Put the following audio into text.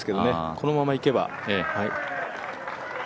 このままいけば。